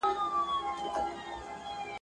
داسي حال په ژوند کي نه وو پر راغلی.